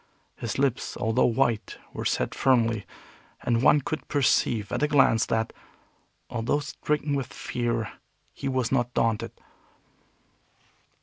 His lips, although white, were set firmly, and one could perceive at a glance that, although stricken with fear, he was not daunted.